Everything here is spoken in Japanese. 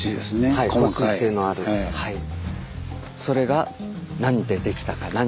それが何でできたか。